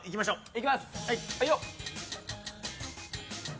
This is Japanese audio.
いきます。